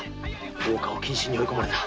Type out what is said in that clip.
大岡を謹慎に追い込まれた。